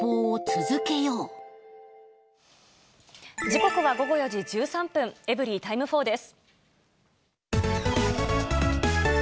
時刻は午後４時１３分、エブリィタイム４です。